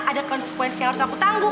ada konsekuensi yang harus aku tanggung